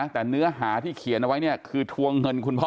แต่เนื้อหาที่เขียนเอาไว้เนี่ยคือทวงเงินคุณพ่อ